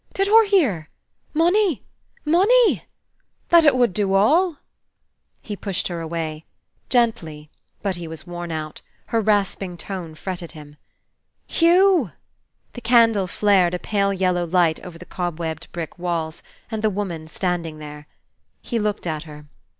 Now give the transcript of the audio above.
Did hur hear? Money, money, that it wud do all?" He pushed her away, gently, but he was worn out; her rasping tone fretted him. "Hugh!" The candle flared a pale yellow light over the cobwebbed brick walls, and the woman standing there. He looked at her.